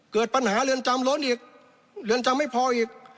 เกิดปัญหาเรือนจำล้นอีกเรือนจำไม่พออีก